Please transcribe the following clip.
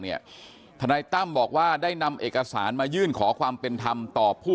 ทนายตั้มบอกว่าได้นำเอกสารมายื่นขอความเป็นธรรมต่อผู้